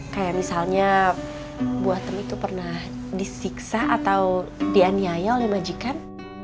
kayak misalnya bu atem itu pernah disiksa atau dianiaya oleh majikan